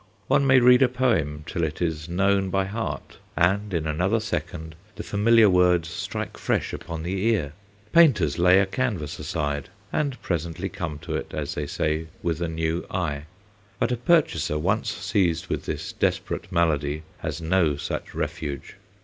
One may read a poem till it is known by heart, and in another second the familiar words strike fresh upon the ear. Painters lay a canvas aside, and presently come to it, as they say, with a new eye; but a purchaser once seized with this desperate malady has no such refuge.